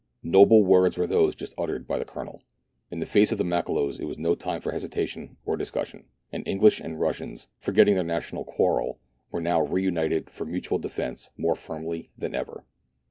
Noble words were those just uttered by the Colonel. In the face of the Makololos it was no time for hesitation or discussion, and English and Russians, forgetting their national quarrel, were now re united for mutual defence more firmly than ever.